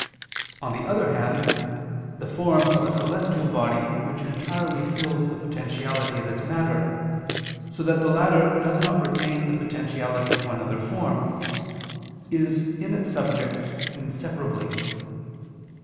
On the other hand the form of a celestial body which entirely fills the potentiality of its matter, so that the latter does not retain the potentiality to another form, is in its subject inseparably.